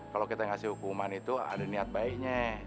kalau kita ngasih hukuman itu ada niat baiknya